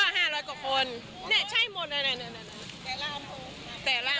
ค่ะเรามาสู้มาช่วยเด็กแล้วล้านรู้สึกว่านั้น